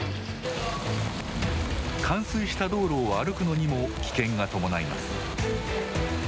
冠水した道路を歩くのにも危険が伴います。